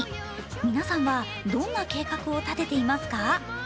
皆さんはどんな計画を立てていますか？